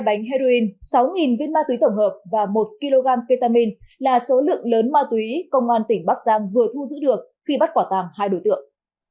hai bánh heroin sáu viên ma túy tổng hợp và một kg ketamine là số lượng lớn ma túy công an tỉnh bắc giang vừa thu giữ được khi bắt quả tàng hai đối tượng